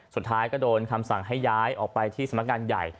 สุดท้ายก็โดนคำสั่งให้ย้ายออกไปที่สำนักงานใหญ่